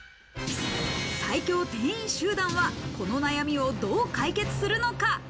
最強店員集団はこのお悩みをどう解決するのか。